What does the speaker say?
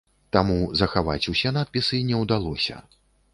Таму захаваць усе надпісы не ўдалося.